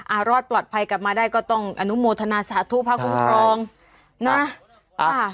รอดปลอดภัยกลับมาได้ก็ต้องอนุโมทนาสาธุพระคุ้มครองนะอ่า